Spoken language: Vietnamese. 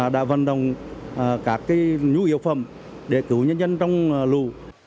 đã vận động các nhu yếu phẩm để cứu nhân dân trong lụ